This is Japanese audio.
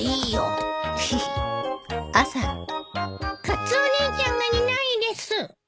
カツオ兄ちゃんがいないです。